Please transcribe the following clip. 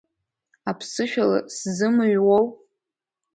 Аԥсышәала сзымыҩуоу?